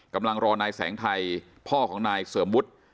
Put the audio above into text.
กำลังรอนายแสงไทยพ่อของนายเสริมวุฒิ